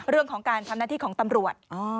เรื่องของการทำหน้าที่ของตำรวจ